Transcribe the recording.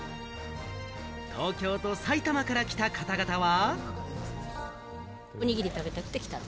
東京と埼玉から来た方々は。